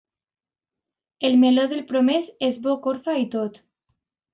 El meló del promès és bo corfa i tot.